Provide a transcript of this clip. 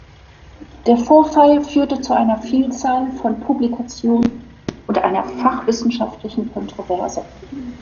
Der Vorfall führte zu einer Vielzahl von Publikationen und einer fachwissenschaftlichen Kontroverse.